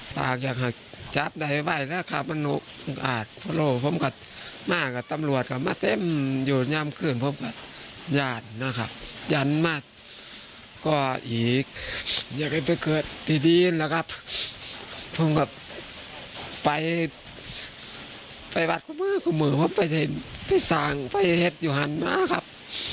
ไปบัตรคุมมือของผมไปสร้างไปเห็นอยู่หันต์มาครับ